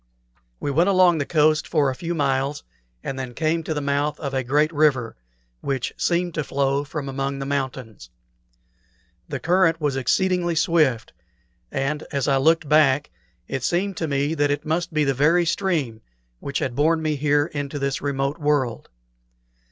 We went along the coast for a few miles, and then came to the mouth of a great river, which seemed to flow from among the mountains. The current was exceedingly swift, and as I looked back it seemed to me that it must be the very stream which had borne me here into this remote world.